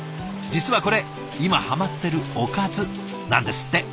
実はこれ今ハマってるおかずなんですって。